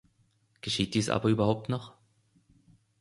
Geschieht dies aber überhaupt noch?